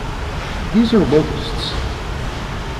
These are locusts.